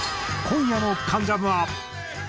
今夜の『関ジャム』は。